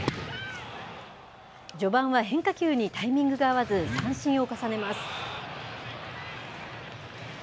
序盤は変化球にタイミングが合わず、三振を重ねます。